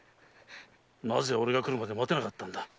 なぜ俺が来るまで待てなかったんだ？